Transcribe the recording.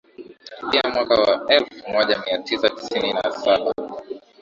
Pia mwaka wa elfu moja mia tisa tisini na saba